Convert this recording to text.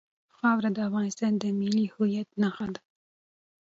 خاوره د افغانستان د ملي هویت نښه ده.